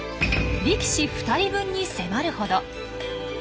力士２人分に迫るほど。